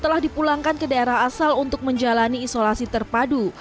telah dipulangkan ke daerah asal untuk menjalani isolasi terpadu